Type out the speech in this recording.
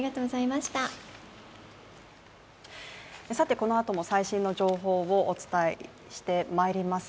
このあとも最新の情報をお伝えしてまいります。